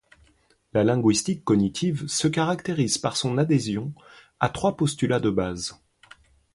La linguistique cognitive se caractérise par son adhésion à trois postulats de base.